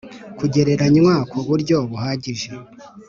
kugereranywa ku buryo buhagije